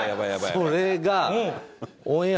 それが。